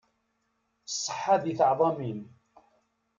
Ṣṣeḥa di teɛḍamin.